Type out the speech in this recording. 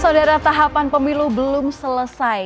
saudara tahapan pemilu belum selesai